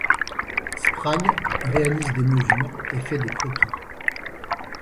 Sprague réalise des mesures et fait des croquis.